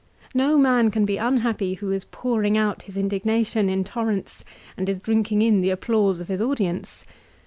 No man can be unhappy who is pouring out his indignation in torrents and is drinking in the applause of his audience.